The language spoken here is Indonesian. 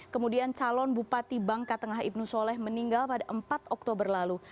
kemudian calon bupati bangka tengah ibnu soleh meninggal pada empat oktober lalu